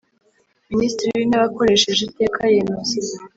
Minisitiri w intebe akoresheje iteka yemeza